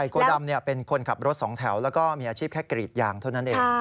โกดำเป็นคนขับรถสองแถวแล้วก็มีอาชีพแค่กรีดยางเท่านั้นเอง